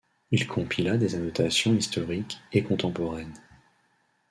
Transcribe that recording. Il compila des annotations historiques et contemporaines.